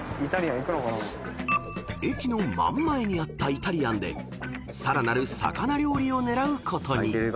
［駅の真ん前にあったイタリアンでさらなる魚料理を狙うことに］